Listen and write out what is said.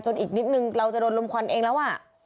อีกนิดนึงเราจะโดนลมควันเองแล้ว